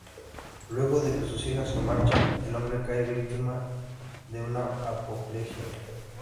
Luego de que sus hijas se marchan, el hombre cae víctima de una apoplejía.